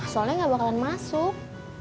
soalnya gak bakalan masuk